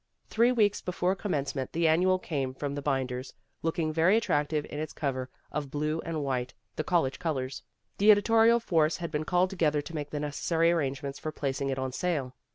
Three weeks before Commence ment the Annual came from the binders, look ing very attractive in its cover of blue and white, the college colors. The editorial force had been called together to make the necessary arrangements for placing it on sale.